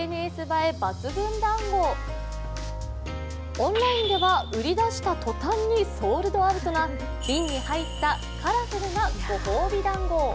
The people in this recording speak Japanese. オンラインでは、売り出した途端にソールドアウトな瓶に入ったカラフルなご褒美だんご。